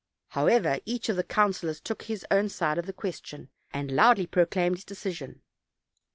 However, each of the councilors took his own side of the question, and loudly proclaimed his decision.